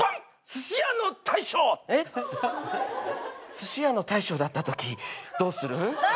すし屋の大将だったときどうする？何！？